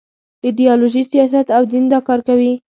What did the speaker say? ایډیالوژي، سیاست او دین دا کار کوي.